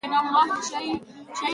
ځانونه تر سپین بولدکه ورسوه.